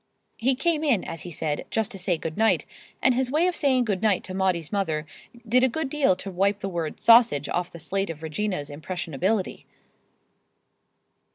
He came in, as he said, just to say good night, and his way of saying good night to Maudie's mother did a good deal to wipe the word "sausage" off the slate of Regina's impressionability.